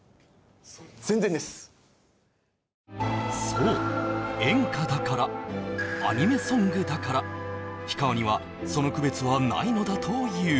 そう、演歌だから、アニメソングだから、氷川には、その区別はないのだという。